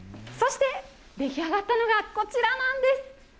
そして、出来上がったのがこちらなんです。